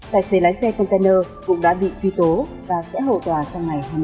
tài xế lái xe container cũng đã bị truy tố và sẽ hậu tòa trong ngày hai mươi